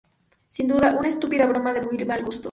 Sin duda, una estúpida broma de muy mal gusto"".